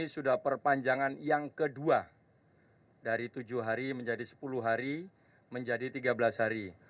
sudah perpanjangan yang kedua dari tujuh hari menjadi sepuluh hari menjadi tiga belas hari